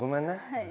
はい。